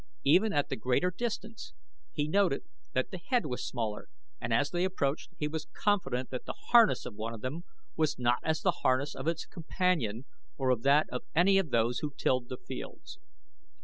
Even at the greater distance he noted that the head was smaller and as they approached, he was confident that the harness of one of them was not as the harness of its companion or of that of any of those who tilled the fields.